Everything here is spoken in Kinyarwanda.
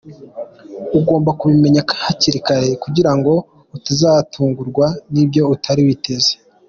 Ugomba kubimenya hakiri kare kugira ngo utazatungurwa n’ibyo utari witeze.